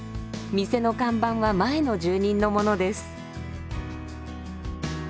店の看板は前の住人のものです。